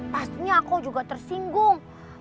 pastinya aku juga tersinggung